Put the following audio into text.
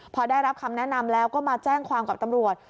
พอได้รับคำแนะนำแล้วก็มาแจ้งความกับตำรวจ